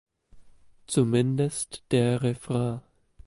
Zumindest der Refrain.